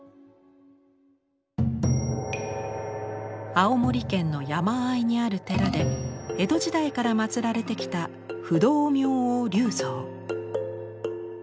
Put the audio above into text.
青森県の山あいにある寺で江戸時代から祀られてきた不動明王立像。